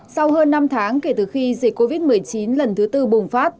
sau hơn năm tháng kể từ khi dịch covid một mươi chín lần thứ tư bùng phát